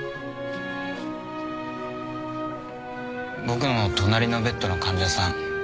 僕の隣のベッドの患者さん。